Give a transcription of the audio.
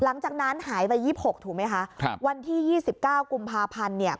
หลังจากนั้นหายไปยี่สิบหกถูกไหมคะครับวันที่ยี่สิบเก้ากุมภาพันธ์เนี่ย